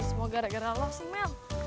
ini semua gara gara lo sih mel